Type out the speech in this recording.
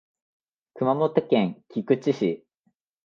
熊本県菊池市